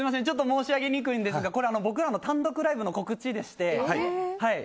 申し上げにくいんですがこれ、僕らの単独ライブの告知でして。